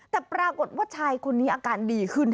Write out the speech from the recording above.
แต่ปรากฏว่าชายคนนี้อาการดีขึ้น